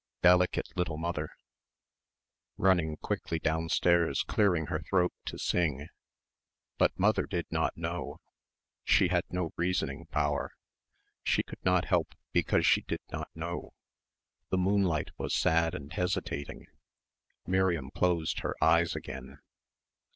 Delicate little mother, running quickly downstairs clearing her throat to sing. But mother did not know. She had no reasoning power. She could not help because she did not know. The moonlight was sad and hesitating. Miriam closed her eyes again.